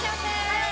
はい！